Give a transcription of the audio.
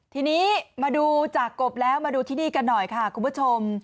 ทีนี้มาดูจากกบแล้วมาดูที่นี่กันหน่อยค่ะคุณผู้ชม